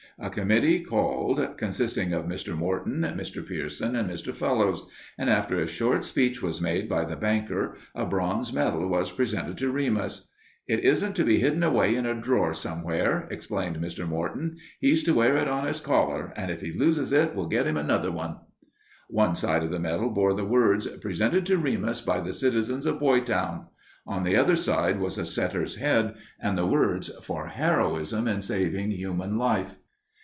A committee called, consisting of Mr. Morton, Mr. Pierson, and Mr. Fellowes, and after a short speech was made by the banker, a bronze medal was presented to Remus. "It isn't to be hidden away in a drawer somewhere," explained Mr. Morton. "He's to wear it on his collar, and if he loses it, we'll get him another one." One side of the medal bore the words, "Presented to Remus by the citizens of Boytown." On the other side was a setter's head and the words, "For heroism in saving human life."